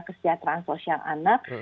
kesejahteraan sosial anak